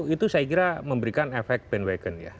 itu saya kira memberikan efek bandwagon ya